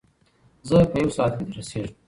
زه په یو ساعت کې در رسېږم.